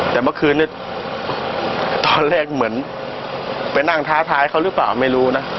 แต่เมื่อคืนนี้ตอนแรกเหมือนไปนั่งท้าทายเขาหรือเปล่าไม่รู้นะ